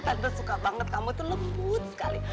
karena suka banget kamu tuh lembut sekali